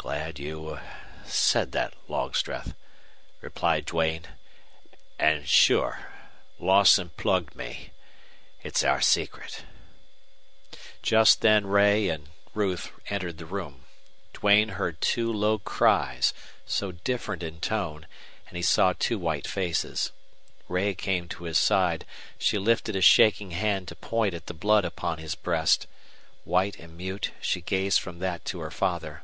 "Glad you said that, Longstreth," replied Duane. "And sure Lawson plugged me. It's our secret." Just then Ray and Ruth entered the room. Duane heard two low cries, so different in tone, and he saw two white faces. Ray came to his side, She lifted a shaking hand to point at the blood upon his breast. White and mute, she gazed from that to her father.